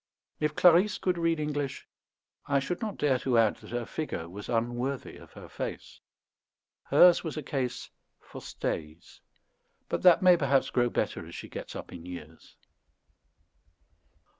If Clarisse could read English, I should not dare to add that her figure was unworthy of her face. Hers was a case for stays; but that may perhaps grow better as she gets up in years.